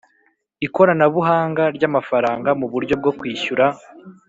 Ikoranabuhanga ry ‘amafaranga mu buryo bwo kwishyura